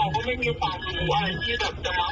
เขาก็โทรมาซื้อคือตอนนั้นช่วงที่ครูออกไปหลายคน